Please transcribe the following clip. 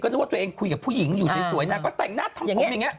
นึกว่าตัวเองคุยกับผู้หญิงอยู่สวยนางก็แต่งหน้าทำผมอย่างนี้